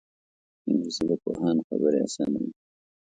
انګلیسي د پوهانو خبرې اسانوي